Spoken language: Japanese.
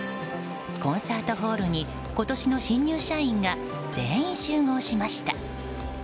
コンサートホールに今年の新入社員が全員集合しました。